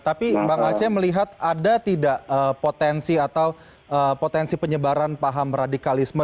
tapi bang aceh melihat ada tidak potensi atau potensi penyebaran paham radikalisme